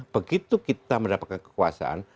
begitu kita mendapatkan kekuasaan